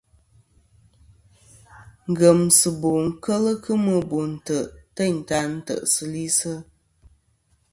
Ngemsiɨbo kel kemɨ no ntè' teyn ta ntè'sɨ li.